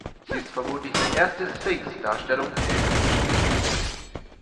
Sie ist vermutlich die erste Sphinx-Darstellung der ägyptischen Geschichte.